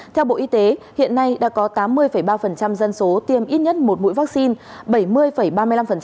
theo bộ y tế hiện nay đã có tám mươi ba dân số tiêm ít nhất một mũi vaccine